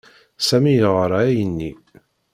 Sami yeɣra ayenni.